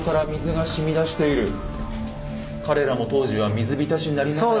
彼らも当時は水浸しになりながら。